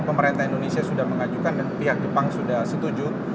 pemerintah indonesia sudah mengajukan dan pihak jepang sudah setuju